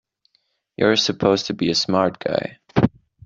You're supposed to be a smart guy!